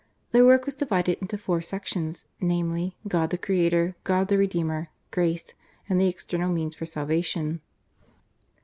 The work was divided into four sections, namely, God the Creator, God the Redeemer, Grace, and the External Means for Salvation.